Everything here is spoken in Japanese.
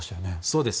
そうです。